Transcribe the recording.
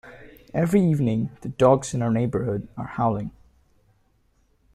Every evening, the dogs in our neighbourhood are howling.